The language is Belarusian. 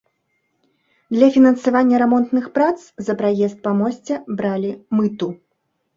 Для фінансавання рамонтных прац за праезд па мосце бралі мыту.